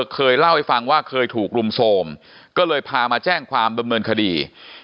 เคยเล่าให้ฟังว่าเคยถูกรุมโทรมก็เลยพามาแจ้งความดำเนินคดี